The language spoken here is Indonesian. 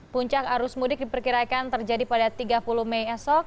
puncak arus mudik diperkirakan terjadi pada tiga puluh mei esok